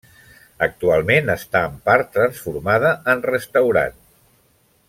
Actualment està en part transformada en restaurant.